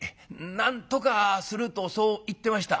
「『なんとかする』とそう言ってました」。